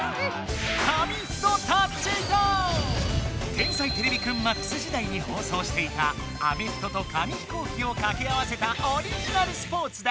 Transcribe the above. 「天才てれびくんＭＡＸ」時代に放送していたアメフトと紙飛行機をかけ合わせたオリジナルスポーツだ。